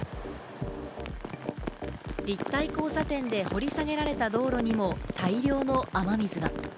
立体交差点で掘り下げられた道路にも大量の雨水が。